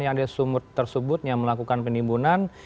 yang ada sumut tersebut yang melakukan penimbunan